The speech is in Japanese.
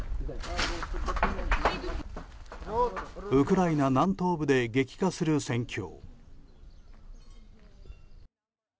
ウクライナ南東部で激化する戦況。